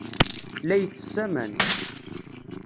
La itess aman.